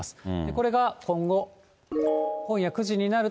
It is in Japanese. これが今後、今夜９時になると。